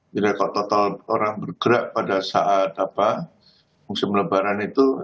jadi kalau total orang bergerak pada saat musim lebaran itu